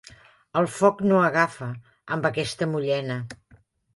El foc no agafa amb aquesta mullena.